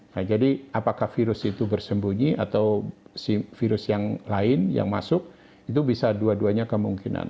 nah jadi apakah virus itu bersembunyi atau si virus yang lain yang masuk itu bisa dua duanya kemungkinan